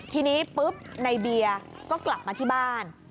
ทีนี้ปุ๊บในเบียร์ก็กลับมาที่บ้าน